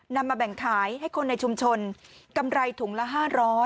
นำมาแบ่งขายให้คนในชุมชนกำไรถุงละ๕๐๐